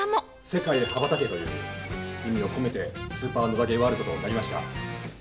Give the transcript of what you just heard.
世界にはばたけという意味を込めて「スーパー野田ゲーＷＯＲＬＤ」となりました。